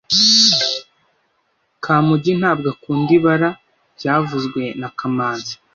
Kamugi ntabwo akunda ibara byavuzwe na kamanzi